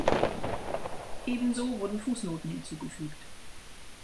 Ebenso wurden Fußnoten hinzugefügt.